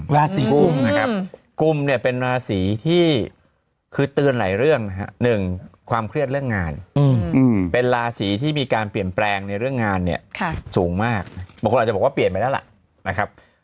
ลาศีกุมเป็นลาศีที่คือเตือนหลายเรื่องหนึ่งความเครียดเรื่องงานเป็นลาศีที่มีการเปลี่ยนแปลงในเรื่องงานสูงมากบางคนอาจจะบอกว่าเปลี่ยนไปแล้วล่ะ